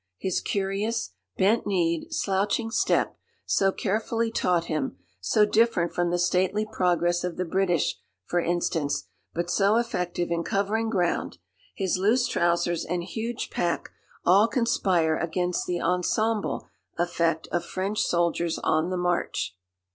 His curious, bent kneed, slouching step, so carefully taught him so different from the stately progress of the British, for instance, but so effective in covering ground his loose trousers and huge pack, all conspire against the ensemble effect of French soldiers on the march.